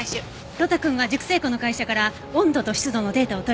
呂太くんは熟成庫の会社から温度と湿度のデータを取り寄せて。